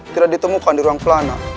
tidak ditemukan di ruang pelana